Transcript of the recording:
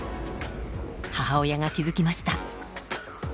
母親が気付きました。